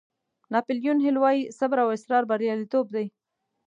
ناپیلیون هیل وایي صبر او اصرار بریالیتوب دی.